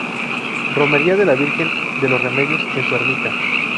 Romería de la Virgen de los Remedios, en su ermita.